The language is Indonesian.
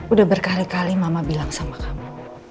udah berkali kali mama bilang sama kamu